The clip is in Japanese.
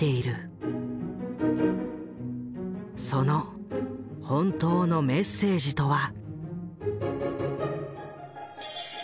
その本当のメッセージとは？